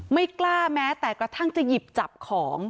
ไม่กล้าแม้แต่กระทั่งจะหยิบจับของ